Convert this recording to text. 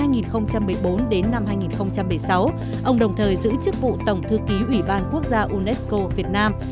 ông đồng thời giữ chức vụ tổng thư ký ủy ban quốc gia unesco việt nam